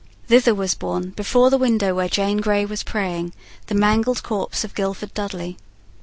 Thither was borne, before the window where Jane Grey was praying, the mangled corpse of Guilford Dudley.